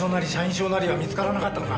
証なりは見つからなかったのか？